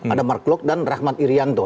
ada mark klok dan rahmat irianto